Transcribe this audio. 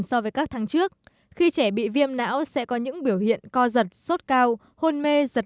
so với các tháng trước khi trẻ bị viêm não sẽ có những biểu hiện co giật sốt cao hôn mê giật